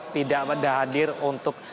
tidak berhadir untuk